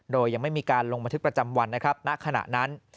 โดยยังไม่มีการลงบันทึกประจำวันนะครับณขณะนั้น